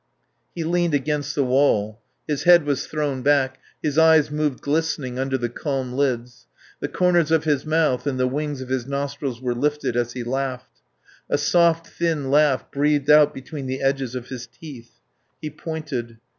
He leaned against the wall; his head was thrown back, his eyes moved glistening under the calm lids; the corners of his mouth and the wings of his nostrils were lifted as he laughed: a soft, thin laugh breathed out between the edges of his teeth. He pointed.